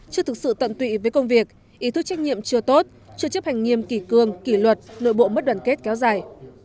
chưa thực sự tận tụy với công việc ý thức trách nhiệm chưa tốt chưa chấp hành nghiêm kỷ cương kỷ luật nội bộ mất đoàn kết kéo dài